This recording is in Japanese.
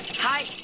はい。